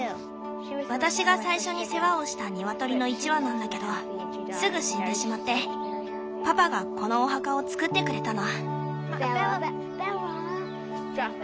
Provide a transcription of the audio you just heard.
私が最初に世話をしたニワトリの１羽なんだけどすぐ死んでしまってパパがこのお墓を作ってくれたの。